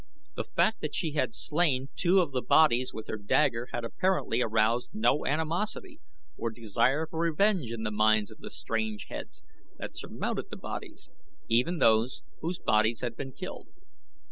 The fact that she had slain two of the bodies with her dagger had apparently aroused no animosity or desire for revenge in the minds of the strange heads that surmounted the bodies even those whose bodies had been killed.